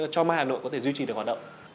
cho mai hà nội có thể duy trì được hoạt động